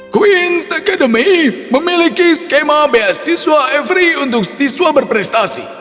queens academy memiliki skema beasiswa every untuk siswa berprestasi